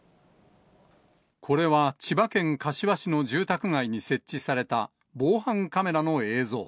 これは千葉県柏市の住宅街に設置された、防犯カメラの映像。